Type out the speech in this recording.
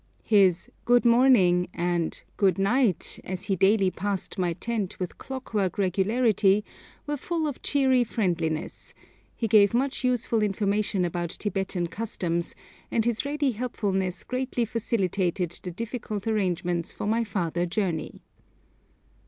His 'good morning' and 'good night,' as he daily passed my tent with clockwork regularity, were full of cheery friendliness; he gave much useful information about Tibetan customs, and his ready helpfulness greatly facilitated the difficult arrangements for my farther journey.